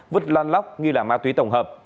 vứt lan lóc ghi là ma túy tổng hợp